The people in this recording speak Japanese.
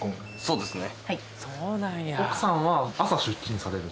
そうですね。